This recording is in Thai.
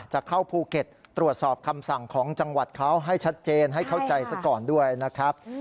จะเข้าภูเก็ตตรวจสอบคำสั่งของจังหวัดเขาให้ชัดเจนให้เข้าใจซะก่อนด้วยนะครับ